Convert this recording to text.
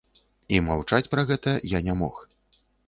І маўчаць пра гэта я не мог.